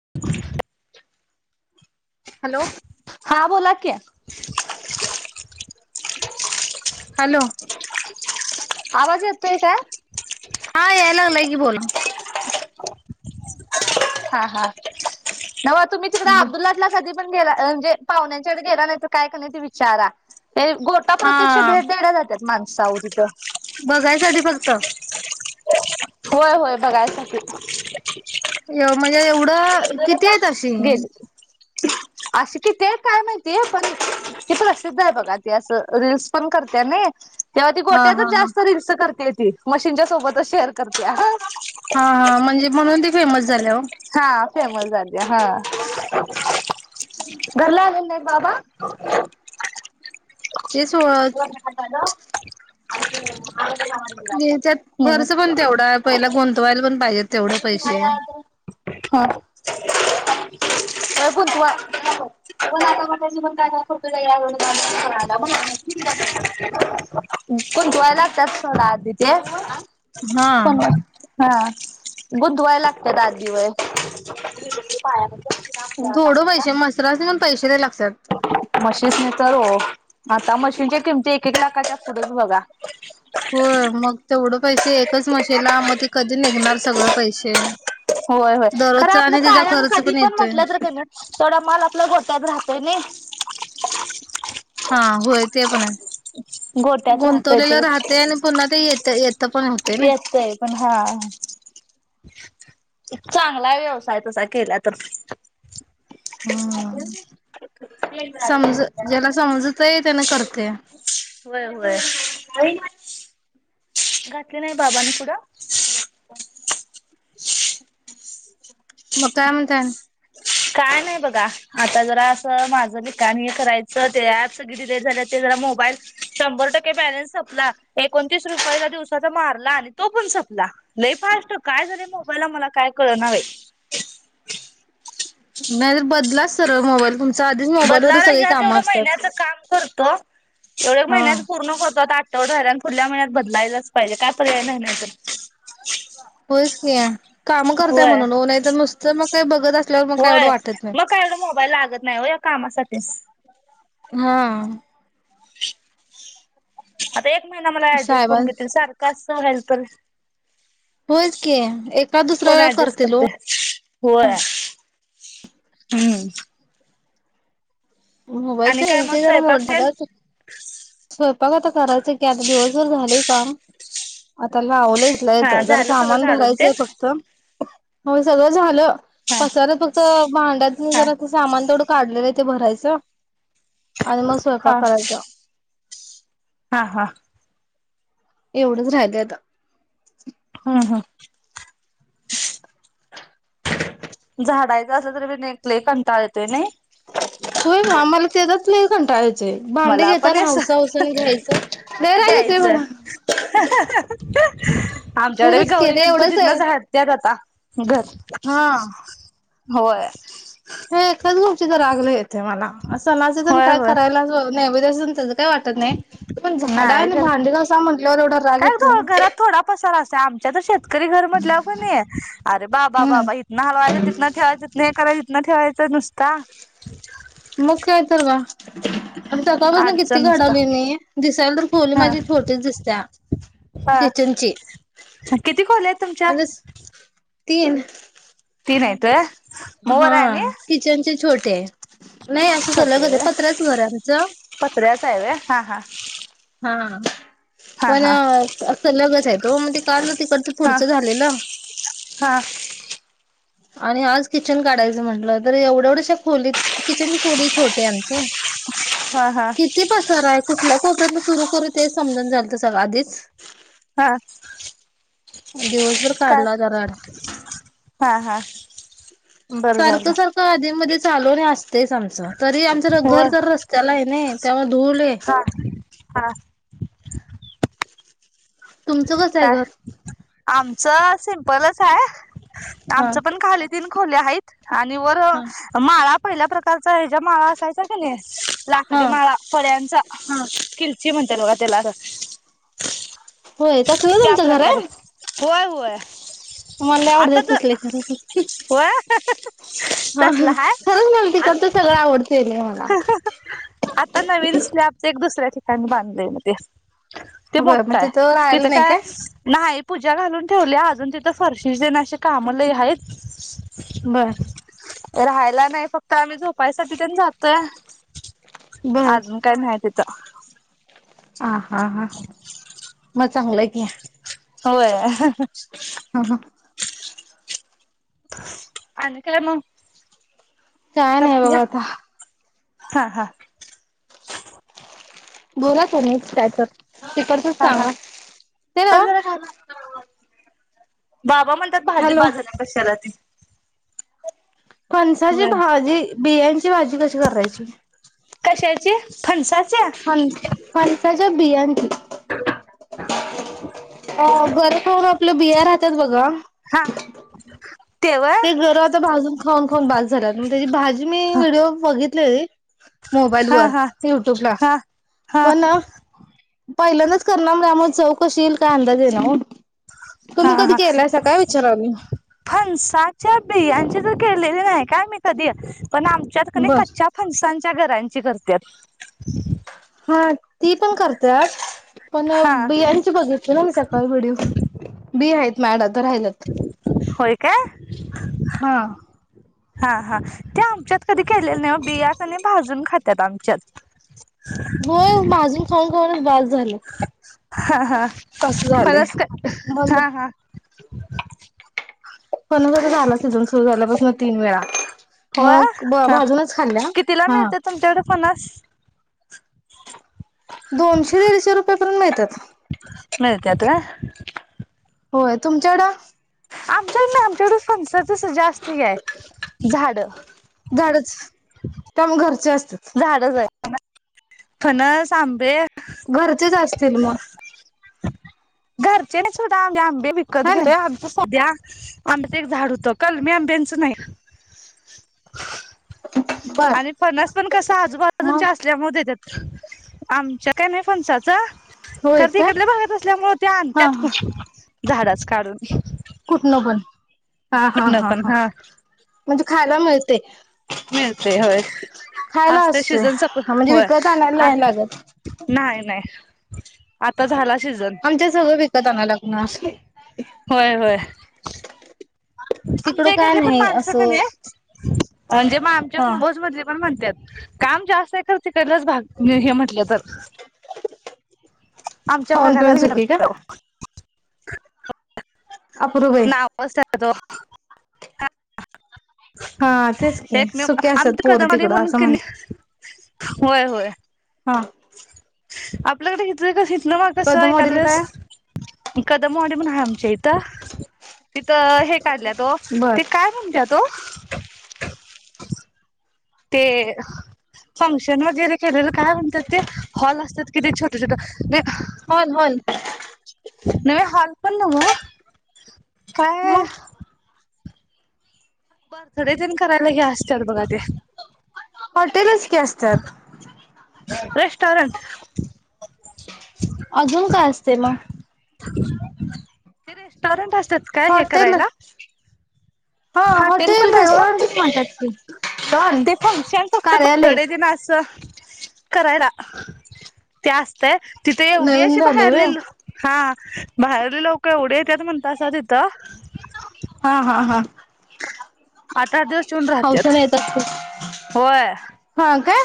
[inaudible] Hello हा बोला की. हॅलो आवाज येतोय काय हा याय लागलाय की बोला. हा हा. नव तुम्ही तिकड अब्दुल लाट ला कधी पण गेला म्हणजे पाहुण्यांच्याकडे गेला नाही तर काय का नाही ते विचारा. ते गोटा हा प्रत्यक्ष भेट द्यायला जातात माण साव तिथं. बघायसाठी फक्त होय होय बघाय साठी. म्हणजे एवढं किती आहेत अशी? गेले अशी किती आहेत काय माहिती पण ते प्रसिद्ध आहे बगा ते अस रिल्स् पण करत्या नाही. तेव्हा ती हा हा गोट्यातच हा जास्त रिल्स करतीत. ती मशीनच्या सोबतच शेर हा हा म्हणजे म्हणून ते फेमस झाल्या हो. हा फेमस झाल्या हा घरला आले नाही बाबा. ते सोळा [inaudible] [unintelligible] त्यात हम् खर्च पण तेवढा पहिला गोंतवायला पण पाहिजे तेवढं पैसे. ह गुंतवाय हो [unintelligible] गुंतवाय लागत्यात सोडा आधी ते हा कोण हा. गुंतवाय लागत्यात आधी व्हय. थोडं पैसे मसरास नि पण. पैसे लय लागत्यात. मशीसनी तर हो आता मशीनची किमती एक एक लाखाच्या पुढच बघा. होय मग तेवढं पैसे एकच मशीला मग ते कधी निघणार सगळ पैसे. होय होय खरं दररोजचा आपल्या आणि त्याचा कायम खर्च कधी पण येतोय म्हटलं तर कणी तेवढा माल आपल्या गोट्यात राहतोय नाही. हा होय ते पण आहे. गोट्यात राहतय ते गुंतवलेलं राहते आणि पुन्हा ते येत येत पण ना. येतय पण हा. चांगला हाय व्यवसाय तसा केला तर, हम. [inaudible] समज ज्याला समजतंय आहे त्यान कर त्या व्हय व्हय [unintelligible] घातले नाही बाबानी पुढ! मग काय म्हणताय. आनि काय नाही बघा आता जरा असं माझं बी काम एक करायचं ते ऍप सगळी डिलिट झालं ते जरा मोबाईल शंभर टक्के बॅलन्स संपला एकोणतीस रुपयाचा दिवसाचा मारला आणि तो पण संपला लय फास्ट काय झाले मोबाईलला मला काय कळना बाई! नाही तर बदहा बदलालाही सगळी आज एवढ कामं असतात. महिन्याच काम करतो एवढ हा महिन्याच पूर्ण करतो आता आठवडा राहिलाय आणि पुुढल्या महिन्यात, बदलायलाच पाहिजे काय पर्याय नाही नाही तर होयच की, काम करताय होय म्हणून हो नाही, तर नुसतं मग ते बघत असल्यावर मग काही एवढं होय वाटत नाही. मग काय एवढं मोबाईल लागत नाही हो या कामासाठी हा ह [unintelligible] एक महिना मला ऍडजस्ट साहेबां करून घेतील सारखं आस हेल्पर होयच की दुसऱ्या कोण वेळा ऍडजस्ट करतील ओ करतय. व्हय हम् आणि मोबाईलच्या काय मग येंचीमुळ झाल. स्वयंपाक तेन बघ करायचं की आता दिवसभर झालय. काम आता रावलं इथल्या हा इथं जर झालं सगळं सामान झाडून भरायचंय तेन फक्त हो सगळं झालं हा पसार फक्त भांड्यातनि हा जरा सामान तेवढं काढलेले ते भरायच जा आणि मग स्वयपाक हा करायचा हा हा एवढंच राहिलंंय आता हम् हम झाडायचं असलं तर विने तर लय कंटाळा येतोय नाय होय ग आम्हाला त्याचाच लय कंटाळा भांडे मला पण घेताना असं हाऊस हाऊस न घ्यायच लय राग येतोय घ्यायचं मला आमच्याकडे खरंच की गौरी रे एवढंच गणपतीत ना आहे झाडतेत आता घर हा होय हे एकाच गोष्टीचा राग लय आहेत मला अस सणाचं करायला वाव नैवेद्याच आणि तेज नाहीर घासा म्हटल्यावर एवढा राग काय येतोय घरात थोडा पसार असत आमच्या तर शेतकरी घर म्हटल्यावर का नाही अरे बाबा हम्म बाबा इथन हलवायचं तिथन ठेवायचं तीतना हे करायच ठेवायचं नुसता मुख्य यतारवा सकाळ पासून किती अडचण नुसता घडाली मी दिसायला तर खोली हा माझी छोट दिसतीये हा किचनची किती खोल्या आहेत तुमच्या अ तीन ती नायत हा किचन चे छोट ते छोटे आहे आहे आमचं पत्र्याच आहे हा हा हा हा पण हा अस लगच आहे त म्हणजे काल ना तिकडचं हा पुढचं झालेलं. हा आणि आज किचन काढायचं म्हटलं तर एवढे एवढ्याशा खोलीत किचनची खोली छोटे आमची हा हा किती पसार आहे कुठल्या खपऱ्यातन सुरू कर. ते समजून झाल तर सग आधीच. हा दिवसभर काय काढला राडा हा हा बरं झालं सारखं सारखं आधी म चालूणे असतेच आमच तरी आमचं होय घर तर रस्त्याला आहे ना तेव्हा धूळ आहे. हा हा तुमचं कसं आहे काय घर आमचं सिम्पलच आहे. हा आमच पण खले तीन खोले आहेत आणि वर हा माळा पहिल्या प्रकारचा ह्या ज माळा असायचा क नाही. हा लाकडीमाळा फळ्यांचा हा किल श्रीमणंतल ग तेला होय तसं ना तुमच घर. होय हो आहे मला आवडतच असले खरं होय हा तसला हाय खरंच म आ तिकडच सगळं आवडतेय. आता नवीन स्लॅबच एक दुसऱ्या ठिकाणी बांधले म ते.. ते बर मग मोठा आहे राहायला तिथं नाही काय नाही. पूजा घालून ठेवल्या अजून तिथं फरशी देने काम ल आहेत. बर राहायला नाही फक्त आम्ही झोपायसाठी ते बर अजून काय मा माहिती तर ह हा हा म चांगलंय क होय हा ह अन काय म काय नाही बाबा आता हा हा बोलात तुमीच कायतर तिकडचं हा हा सांगा ते चल नव्ह जरा खायला बाबा म्हणतात भाजी हॅलो बाद झाल्या कशाला ती. फणसाची होय भाजी बियांची. फणसाची भाजी कशी करायची. कशाचे फनसा फण फणसाच्या बियान हा. अ गर खाऊन आपलं बिया राहत्यात बघा. हा ते गर आता भाजून खाऊन खाऊन बाद झाल्यात. त्येची भाजी. मी व्हिडिओ बघितलेली. मोबाईल हा वर हा युट्यूबला हा हा पण पहिल्यांदच करणार त्यामुळे. चव कशी येईल काय अंदाज येईना ओ. हा तुम्ही कधी हा केलाईसां काय विचारा म फणसाच्या बियांची तर केलेली नाही काय मी कधी पण आमच्यात बर कच्च्या फनसानंच त्या गरांची करत्यात. हा ती पण कर पण हा बियांची बघितले ना मी सकाळ व्हिडिओ बि आहेत माझ्याकडे राहिलेत होय काय हा. हा हा ते आमच्यात कधी केलेल नाही. हो बिया कनी भाजून खात्यात आमच्यात. हो भाजून खाऊन खाऊनच बास झाल्यात. हा हा फनस् मग हा हा [unintelligible] फणस झाला सीझन सुरू झाल्यापासून तीन वेळा. हो मग भाजूनच खाल्ल्या कितीला हा मिळत्यात तुमच्याकडे फणस दोनशे दीडशे रुपयापर्यंत मिळत्यात. मिळत्यात [inaudible] होय तुमच्याकडं? आमच्याक नाही आमच्याकड फणस कसं जास्त ढिग आहे झाड. झाडच त्यामुळे घरचे असतात झाडं ज [unintelligible] ह [unintelligible] फणस आंबे. घरचेच असतील मग. घरच्यांनीच कुठं आंबे आण म विकत हा घे ना आमचं सध्या आंब्याचं एक झाड होत कालमी आंब्यांचं नाही. बर आणि फणस पण कसं मग आजूबाजूंच्या असल्यामुळे देत्यात आमच्या काय नाही फणसाचं हो तिकडल्या भागत असल्यामुळे हो ते आणतात झाडच कारून कुठनं पण हा हा कुठनं हा पण हा म्हणजे खायला मिळते मिळते होय खायला असते सिजन म्हणजे सपय विकत आणायला नाही लागत नाही नाही आता झाला सीझन आमच्या सगळं विकत आण लागणार होय होय तिकडं आमच्या का इकडली पण नाही माणसं का असं नाही म्हणजे मगम हा कुंभस मधज पण म्हण त काम जास्त आहे तर तिकडलाच भाग हे म्हटलं तर ह आमच्या भागाला का ह अपूर्वे आ हा तेच की सुके असतात आमची पोर कदमवाडी तिकडं म्हणून असं की नाही म्हणतात होय होय हा आपल्याकडे घेतलंय का नमक प्रथम सय कात वडील बस काय कदमवाडी म्हण आहे आमच्या इथं तिथं हे ल्या तो बर ते काय म्हणतात त ते फंक्शन वगैरे केलेलं काय म्हणतात ते हॉल असतात कि छोटं छोट होल होल नव हॉल पण नव काय मग बरं खरं ते करायला घ्या असत बघा ते हॉटेलच की असतात रेस्टॉरंट अजून काय असते मग ते रेस्टोरंट अस च काय हे हॉटेल करायला हा हॉटेल पण नाही हो रेस्टोरंट ब माते ते फंक्शन फक्त कार्यालय बर्थडे तेन असं करायला ते असते तिथे एवढी नवीन अशी झालय बाहेरले व्हय हा बाहेर लोक एवढे येत म्हणत असा तिथं हा हा हा आठ आठ दिवस येऊन हसण राहत्यात येतात होय का का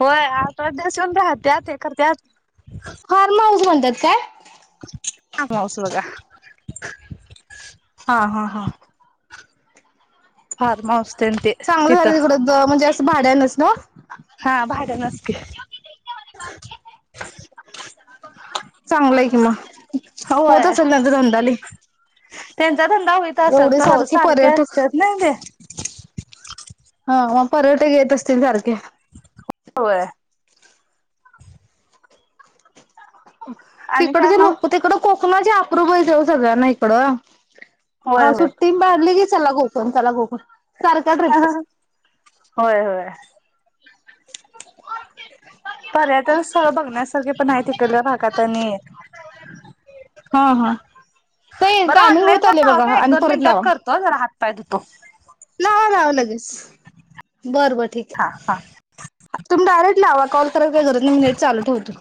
होय आता अद्याश येऊन राह त्यात एर त्यात फार्म हाऊस म्हण त्या का कासभ का हा हा हा फारम हऊस ते चांगलं तिथ झालं तिकडं द म्हणजे असं भाड्यानच ना हा भाड्या नसकी चांगलंय कि म होत सज होंदली ते धंदा होईत असेल तर रज सारखे पर्यटक असतात ना ते हा मग पर्यटक येत असतील सारखे हो होय आणि तिकड काय जे मग लोक तिकडक माझे अक्रूपैस सगळ्यां ना इकडं होय ह होय सु्टी बधली की चला गोकण चला गोकण होय होय ह यळ बघण्यासार पण तिकडल्या भागात हा हा ताई ब टायमिंग होत आले बघा आणि ऑनलाईनो मिन ताय द तो लाव लावं लगेच बर बरं ठीक हा हा आहे तुम्ही डायरेक्ट लावा कॉल करा क जर मिनट चालू ठेवतो